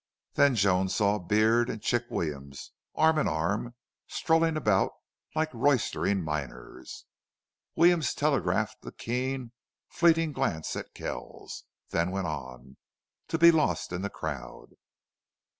Then Joan saw Beard and Chick Williams arm in arm, strolling about, like roystering miners. Williams telegraphed a keen, fleeting glance at Kells, then went on, to be lost in the crowd.